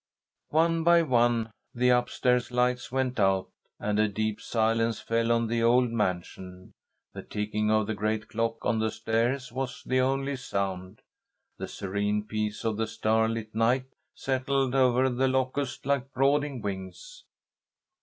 One by one the up stairs lights went out, and a deep silence fell on the old mansion. The ticking of the great clock on the stairs was the only sound. The serene peace of the starlit night settled over The Locusts like brooding wings.